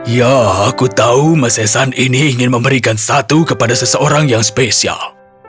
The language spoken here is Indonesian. ya aku tahu mas esan ini ingin memberikan satu kepada seseorang yang spesial